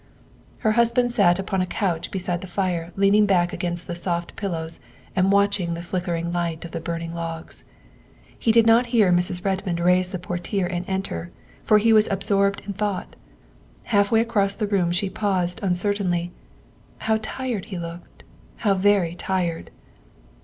'' Her husband sat upon a couch beside the fire leaning back against the soft pillows and watching the flicker ing light of the burning logs. He did not hear Mrs. Redmond raise the portiere and enter, for he was ab sorbed in thought. Half way across the room she paused uncertainly. How tired he looked how very tired